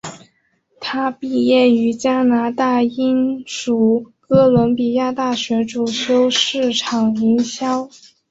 她毕业于加拿大英属哥伦比亚大学主修市场营销。